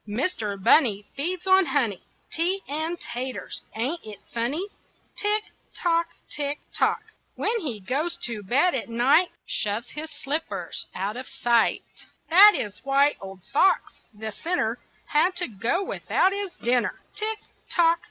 Mister Bunny feeds on honey, Tea, and taters ain't it funny? Tick, tock! Tick, tock! When he goes to bed at night, Shoves his slippers out of sight; That is why Old Fox, the sinner, Had to go without his dinner. Tick, tock!